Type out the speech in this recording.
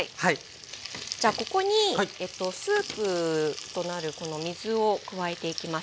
じゃあここにスープとなるこの水を加えていきます。